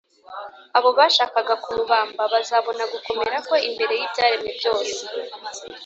abo bashakaga kumubamba bazabona gukomera kwe imbere y’ibyaremwe byose,